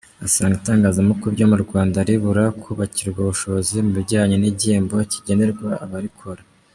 Asanga itangazamakuru ryo mu Rwanda ribura kubakirwa ubushobozi mu bijyanye n’igihembo kigenerwa abarikora.